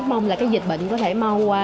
mong là cái dịch bệnh có thể mau qua